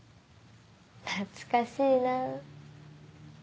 懐かしいなぁ。